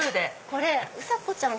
これうさこちゃん